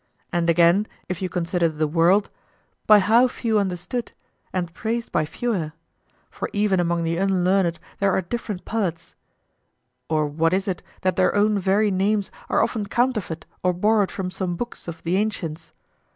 And again, if you consider the world, by how few understood, and praised by fewer! for even among the unlearned there are different palates. Or what is it that their own very names are often counterfeit or borrowed from some books of the ancients?